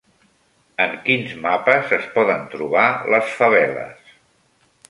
En quins mapes es poden trobar les faveles?